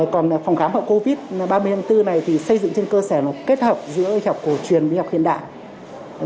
còn phòng khám hậu covid một mươi chín này thì xây dựng trên cơ sở kết hợp giữa học cổ truyền với học hiện đại